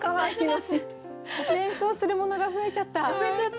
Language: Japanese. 連想するものが増えちゃった。